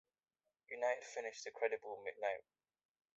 United finished a creditable ninth.